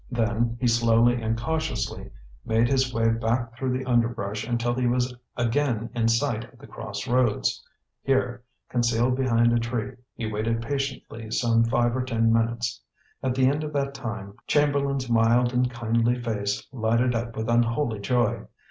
Then he slowly and cautiously made his way back through the underbrush until he was again in sight of the cross roads. Here, concealed behind a tree, he waited patiently some five or ten minutes. At the end of that time, Chamberlain's mild and kindly face lighted up with unholy joy.